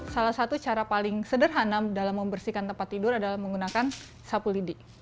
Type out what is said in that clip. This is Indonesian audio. salah satu cara paling sederhana dalam membersihkan tempat tidur adalah menggunakan sapu lidi